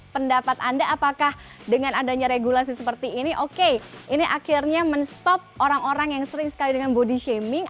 pendapat anda apakah dengan adanya regulasi seperti ini oke ini akhirnya men stop orang orang yang sering sekali dengan body shaming